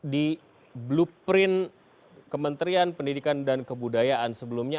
di blueprint kementerian pendidikan dan kebudayaan sebelumnya